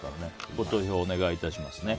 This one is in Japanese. ご投票、お願いしますね。